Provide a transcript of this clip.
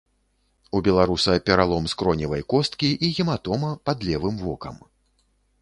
У беларуса пералом скроневай косткі і гематома пад левым вокам.